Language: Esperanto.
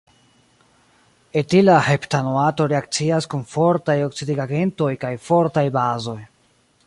Etila heptanoato reakcias kun fortaj oksidigagentoj kaj fortaj bazoj.